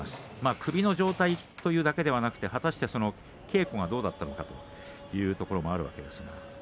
首の状態というだけではなく果たして稽古はどうだったのかそんなところもあると思います。